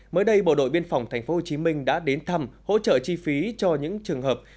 mới đây bộ đội biên phòng tp hcm đã đến thăm hỗ trợ chi phí cho những trường hợp